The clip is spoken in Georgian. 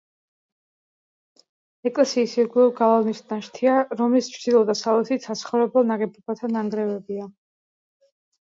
ეკლესიის ირგვლივ გალავნის ნაშთია, რომლის ჩრდილო-დასავლეთით საცხოვრებელ ნაგებობათა ნანგრევებია.